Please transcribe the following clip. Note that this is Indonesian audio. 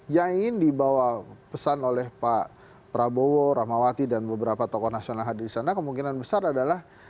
yang ingin dibawa pesan oleh pak prabowo rahmawati dan beberapa tokoh nasional hadir di sana kemungkinan besar adalah